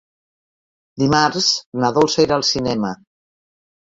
Dimarts na Dolça irà al cinema.